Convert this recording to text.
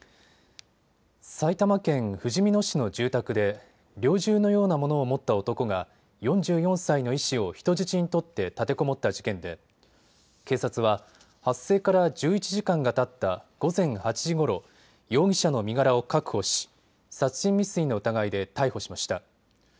埼玉県ふじみ野市の住宅で猟銃のようなものを持った男が４４歳の医師を人質に取って立てこもった事件で警察は発生から１１時間がたった午前８時ごろ、容疑者の身柄を確保し殺人未遂の疑いで逮捕しました。